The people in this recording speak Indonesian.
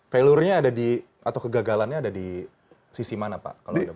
failornya ada di atau kegagalannya ada di sisi mana pak